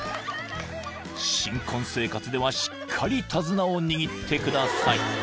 ［新婚生活ではしっかり手綱を握ってください］